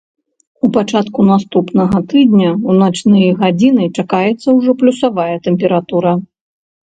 У пачатку наступнага тыдня ў начныя гадзіны чакаецца ўжо плюсавая тэмпература.